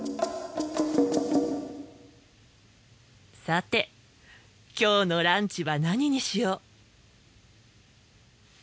さて今日のランチは何にしよう。